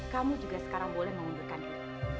kamu juga sekarang boleh mengundurkan diri